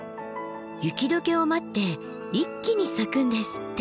雪解けを待って一気に咲くんですって。